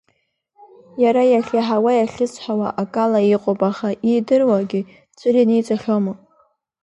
Иара иахьиаҳауа иахьысҳәауа акала иҟоуп, аха иидыруагьы ӡәыр ианиҵахьоума?